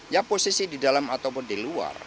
ya posisi di dalam ataupun di luar